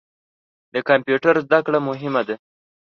د کمپیوټر زده کړه مهمه ده.